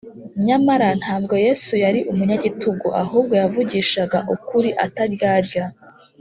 nyamara ntabwo yesu yari umunyagitugu, ahubwo yavugishaga ukuri ataryarya